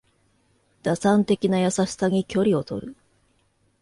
打算的な優しさに距離をとる